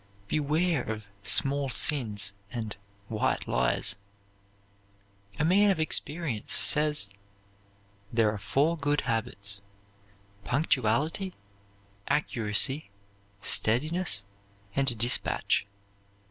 Beware of "small sins" and "white lies." A man of experience says: "There are four good habits, punctuality, accuracy, steadiness, and dispatch.